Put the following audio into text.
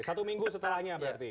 satu minggu setelahnya berarti